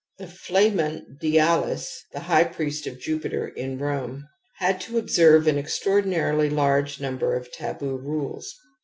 The Fl^ngn^^^^L*^^ high priest of Jupiter in Rome, had to observe an extraordinarily large number of taboo rules.